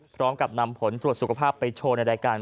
พร้อมกับนำผลตรวจสุขภาพไปโชว์ในรายการ